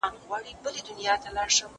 زه مخکي واښه راوړلي وو